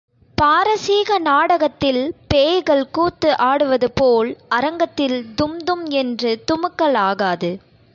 பாரசீக நாடகத்தில் பேய்கள் கூத்து ஆடுவது போல் அரங்கத்தில் தும்தும் என்று துமுக்கலாகாது.